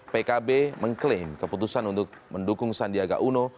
pkb mengklaim keputusan untuk mendukung sandiaga uno